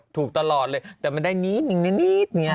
ถูกตลอดเลยแต่มันได้นิดหนึ่งนิดนิดอย่างนี้